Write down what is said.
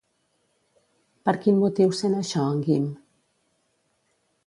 Per quin motiu sent això en Guim?